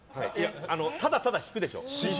ただただ引くでしょ？